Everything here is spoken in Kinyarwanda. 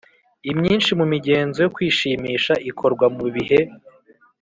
Imyinshi mu migenzo yo kwishimisha ikorwa mu bihe